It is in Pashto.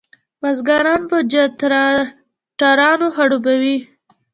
بزګران په جنراټورانو خړوبوي.